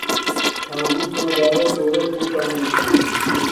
تھا ہنزو نا بارو ٹورسٹ بوت آنگے چھے